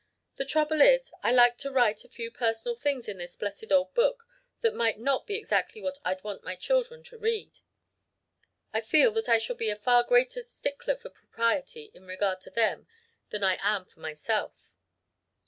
The trouble is, I like to write a few personal things in this blessed old book that might not be exactly what I'd want my children to read. I feel that I shall be a far greater stickler for propriety in regard to them than I am for myself!